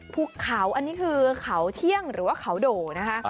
ภูเขาอันนี้คือเขาเที่ยงหรือว่าเขาโด่นะคะ